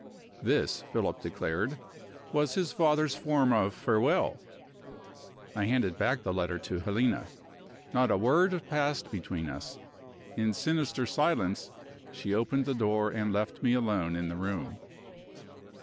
This, Philip declared, was his father's form of farewell. I handed back the letter to Helena. Not a word passed between us. In sinister silence she opened the door and left me alone in the room.